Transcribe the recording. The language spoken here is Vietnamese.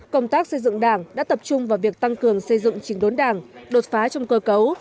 công tác xây dựng đảng đã tập trung vào việc tăng cường xây dựng trình đốn đảng đột phá trong cơ cấu